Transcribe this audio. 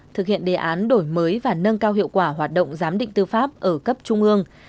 thực hiện đề án đổi mới và nâng cao hiệu quả hoạt động giám định tư pháp ở cấp trung ương